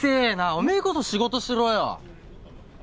おめえこそ仕事しろよ！